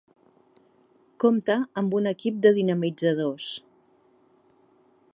Compta amb un equip de dinamitzadors.